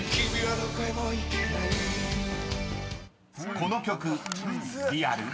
［この曲リアル？